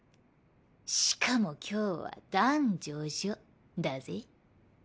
しかも今日は男女女だぜ？